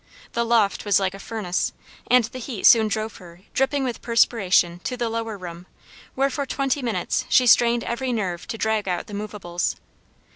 The loft was like a furnace, and the heat soon drove her, dripping with perspiration, to the lower room, where, for twenty minutes, she strained every nerve to drag out the movables.